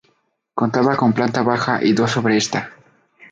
Contaba con planta baja y dos sobre esta.